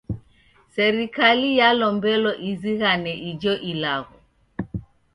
Serikali yalombelo izighane ijo ilagho.